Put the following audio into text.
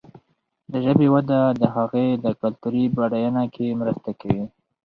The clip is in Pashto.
د ژبې وده د هغې د کلتوري بډاینه کې مرسته کوي.